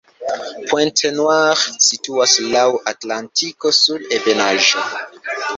Pointe-Noire situas laŭ Atlantiko sur ebenaĵo.